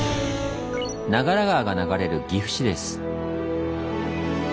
長良川が流れる岐阜市です。